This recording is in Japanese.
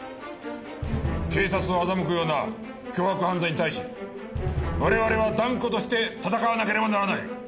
警察を欺くような凶悪犯罪に対し我々は断固として戦わなければならない。